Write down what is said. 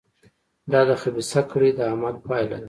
دا د خبیثه کړۍ د عمل پایله ده.